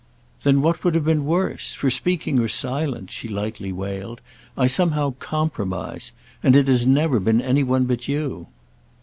"Then what would have been worse? For speaking or silent," she lightly wailed, "I somehow 'compromise.' And it has never been any one but you."